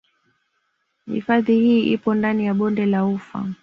Hifadhi hii ipo ndani ya Bonde la Ufa